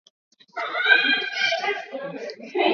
Parque ya virunga niya munene mu afrika